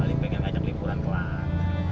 paling pengen ngajak lingkuran ke lantai